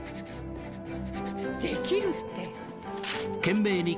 できるって！